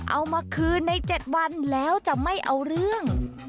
เอามาคืนใน๗วันแล้วจะไม่เอาเรื่อง